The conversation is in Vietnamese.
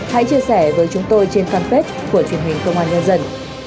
hãy chia sẻ với chúng tôi trên fanpage của truyền hình công an nhân dân